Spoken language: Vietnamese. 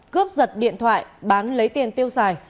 cướp giật điện thoại bán lấy tiền tiêu xài